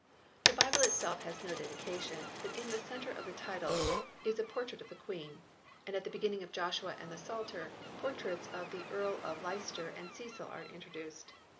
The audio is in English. The Bible itself has no dedication, but in the centre of the title is a portrait of the Queen ; and at the beginning of Joshua and the Psalter portraits of the Earl of Leicester and Cecil are introduced.